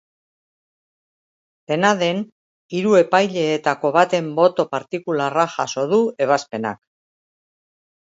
Dena den, hiru epaileetako baten boto partikularra jaso du ebazpenak.